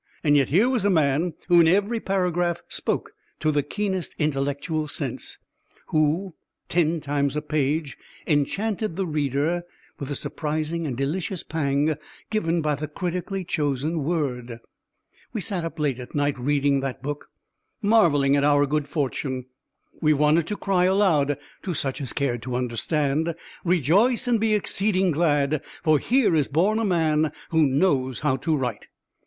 And yet here was a man who in every paragraph spoke to the keenest intellectual sense who, ten times a page, enchanted the reader with the surprising and delicious pang given by the critically chosen word. We sat up late at night reading that book, marvelling at our good fortune. We wanted to cry aloud (to such as cared to understand), "Rejoice and be exceeding glad, for here is born a man who knows how to write!"